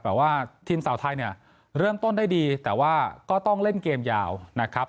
แต่ว่าทีมสาวไทยเนี่ยเริ่มต้นได้ดีแต่ว่าก็ต้องเล่นเกมยาวนะครับ